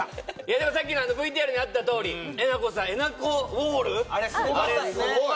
でもさっきのＶＴＲにあったとおりえなこさんあれすごかったですね